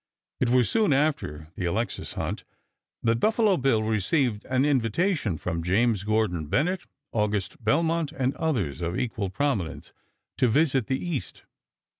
It was soon after the Alexis hunt that Buffalo Bill received an invitation from James Gordon Bennett, August Belmont, and others of equal prominence to visit the East.